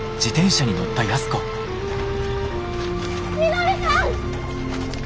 稔さん！